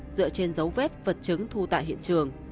dựa trên dấu vết vật chứng thu tại hiện trường